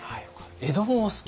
江戸もお好き？